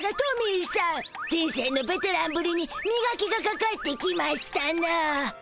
人生のベテランぶりにみがきがかかってきましたな。